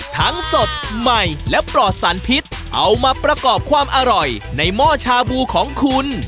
สดใหม่และปลอดสารพิษเอามาประกอบความอร่อยในหม้อชาบูของคุณ